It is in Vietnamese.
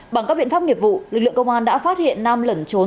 bằng các biện pháp nghiệp vụ lực lượng công an đã phát hiện nam lẩn trốn